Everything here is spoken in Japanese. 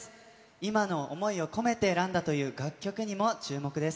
今の想いを込めて選んだという楽曲にも注目です。